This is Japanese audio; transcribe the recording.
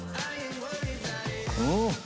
うん！